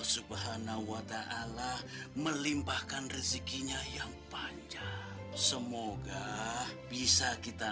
ia subhanahu wa ta'ala melimpahkan rezikinya yang panjang semoga bisa kita